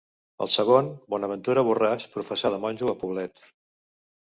El segon, Bonaventura Borràs, professà de monjo a Poblet.